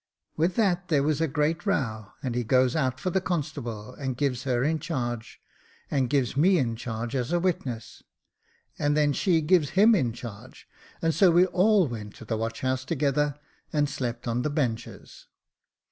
With that there was a great row, and he goes out for the constable, and gives her in charge, and gives me in charge as a witness, and then she gives him in charge, and so we all went to the watch house together, and slept on the benches.